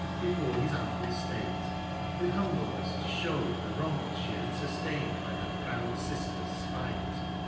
Before his ample state, with humbleness to show The wrongs she had sustain'd by her proud sisters' spite.